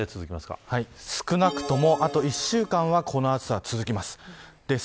天達さん、猛烈な残暑少なくとも、あと１週間はこの暑さが続きます。